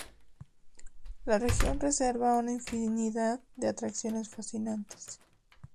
La región reserva una infinidad de atracciones fascinantes.